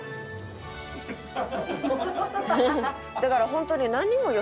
だからホントに。